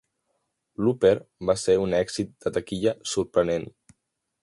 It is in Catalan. "Looper" va ser un èxit de taquilla sorprenent.